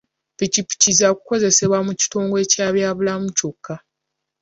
Ppikippiki zaakukozesebwa mu kitongole kya byabulamu kyokka.